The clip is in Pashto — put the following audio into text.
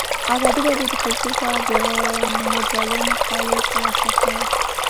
ازادي راډیو د کلتور په اړه د مجلو مقالو خلاصه کړې.